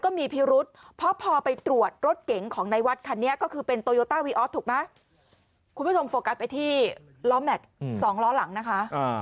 คุณผู้ชมโฟกัสไปที่ล้อแม็กซ์สองล้อหลังนะคะ